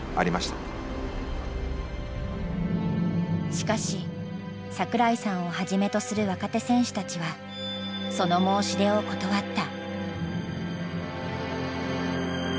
しかし桜井さんをはじめとする若手選手たちはその申し出を断った。